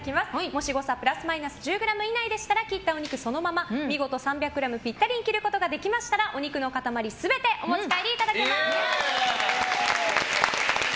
もし誤差プラスマイナス１０ｇ以内でしたら切ったお肉をそのまま見事３００ｇぴったりに切ることができましたらお肉の塊全てお持ち帰りいただけます。